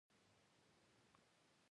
د اور بڅری